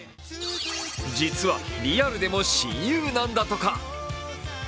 実はリアルでも親友なんだとか。